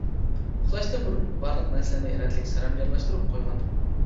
-ئۇخلاشتىن بۇرۇن بارلىق نەرسىلەرنى رەتلىك سەرەمجانلاشتۇرۇپ قويغىن.